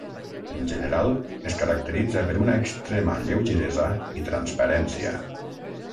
En general es caracteritza per una extrema lleugeresa i transparència.